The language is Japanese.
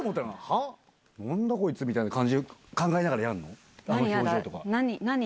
「何だ？こいつ！」みたいな感じ考えながらやるの？